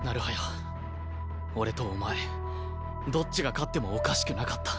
俺とお前どっちが勝ってもおかしくなかった。